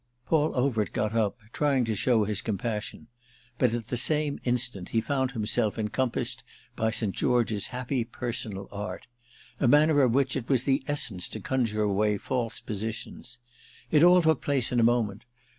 Paul Overt got up, trying to show his compassion, but at the same instant he found himself encompassed by St. George's happy personal art—a manner of which it was the essence to conjure away false positions. It all took place in a moment.